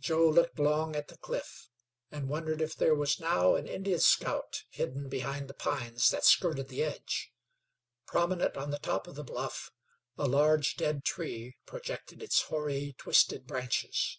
Joe looked long at the cliff, and wondered if there was now an Indian scout hidden behind the pines that skirted the edge. Prominent on the top of the bluff a large, dead tree projected its hoary, twisted branches.